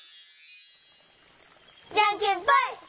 じゃんけんぽい！